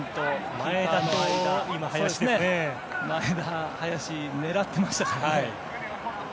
前田と林狙ってましたからね。